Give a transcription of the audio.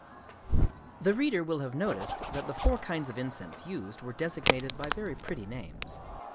The reader will have noticed that the four kinds of incense used were designated by very pretty names.